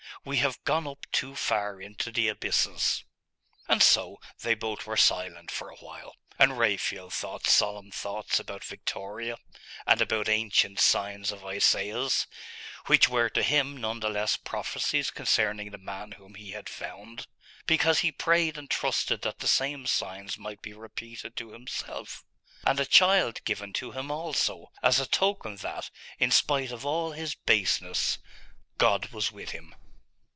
We have gone up too far into the abysses.... And so they both were silent for a while. And Raphael thought solemn thoughts about Victoria, and about ancient signs of Isaiah's, which were to him none the less prophecies concerning The Man whom he had found, because he prayed and trusted that the same signs might be repeated to himself, and a child given to him also, as a token that, in spite of all his baseness, 'God was with him.